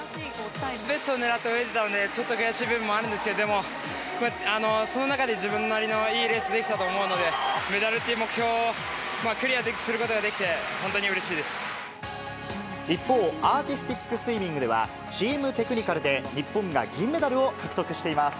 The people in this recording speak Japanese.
ベストを狙って泳いでいたので、ちょっと悔しい部分もあるんですけど、でもその中で自分なりのいいレースできたと思うので、メダルっていう目標をクリアすることができて、本当にうれしいで一方、アーティスティックスイミングでは、チームテクニカルで日本が銀メダルを獲得しています。